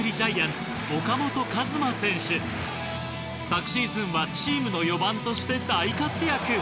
昨シーズンはチームの４番として大活躍。